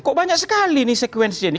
kok banyak sekali ini sekuensinya ini